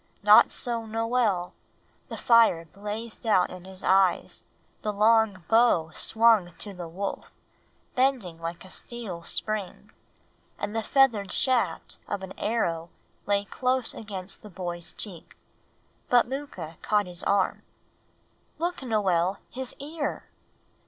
Not so Noel. The fire blazed out in his eyes; the long bow swung to the wolf, bending like a steel spring, and the feathered shaft of an arrow lay close against the boy's cheek. But Mooka caught his arm "Look, Noel, his ear!